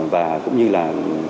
và cũng như là